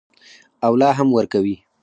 او لا هم ورکوي.